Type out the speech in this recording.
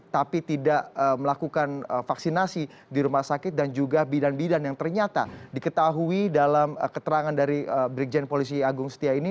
tapi tidak melakukan vaksinasi di rumah sakit dan juga bidan bidan yang ternyata diketahui dalam keterangan dari brigjen polisi agung setia ini